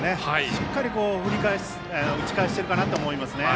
しっかり打ち返しているかなと思いますね。